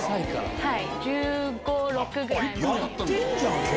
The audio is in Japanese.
はい。